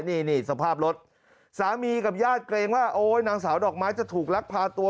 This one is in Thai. นี่นี่สภาพรถสามีกับญาติเกรงว่าโอ๊ยนางสาวดอกไม้จะถูกลักพาตัว